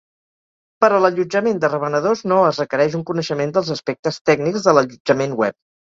Per a l'allotjament de revenedors no es requereix un coneixement dels aspectes tècnics de l'allotjament web.